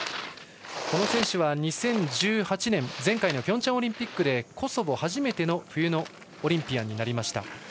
この選手は２０１８年、前回のピョンチャンオリンピックでコソボ初めての冬のオリンピアンになりました。